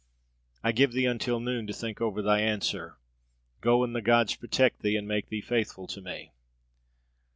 "I give thee until noon to think over thy answer. Go, and the gods protect thee and make thee faithful to me."